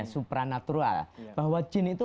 supra natural bahwa jin itu